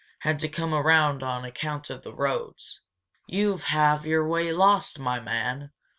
Had to come around on account of the roads." "You've have your way lost, my man.